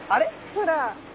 ほら。